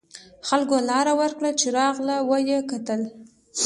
خلکو لار ورکړه چې راغله و یې کتل.